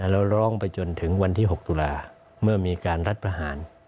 แล้วร้องไปจนถึงวันที่๖ตุลาเมื่อมีการรัฐประหาร